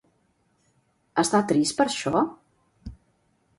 Està trist per això?